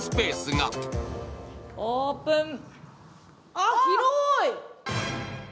あっ、広ーい。